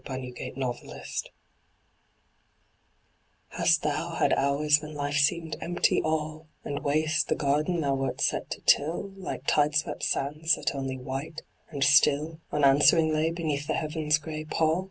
wait rave time, Refreshment* AST thou had hours when life seemed empty all, And waste the garden thou wert set to till, Like tide swept sands that only white and still Unanswering lay beneath the heaven's gray pall